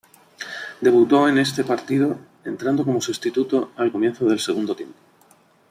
Debutó en ese partido, entrando como sustituto al comienzo del segundo tiempo.